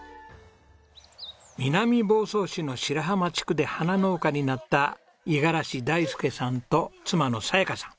南房総市の白浜地区で花農家になった五十嵐大介さんと妻の早矢加さん。